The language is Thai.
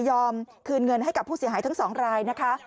คืนเงินให้กับผู้เสียหายทั้งสองรายนะคะ